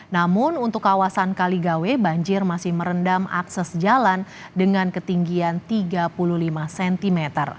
namun untuk kawasan kaligawe banjir masih merendam akses jalan dengan ketinggian tiga puluh lima cm